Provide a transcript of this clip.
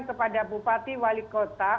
kepada bupati wali kota